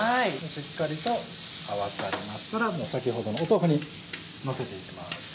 しっかりと合わさりましたら先ほどの豆腐にのせていきます。